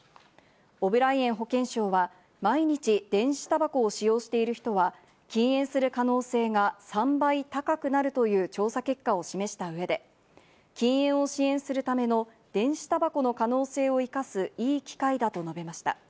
オブライエン保健相は毎日、電子たばこを使用している人は禁煙する可能性が３倍高くなるという調査結果を示した上で、禁煙を支援するための電子たばこの可能性を生かすいい機会だと述べました。